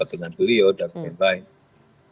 ada kesempatan pendapat dengan beliau dan lain lain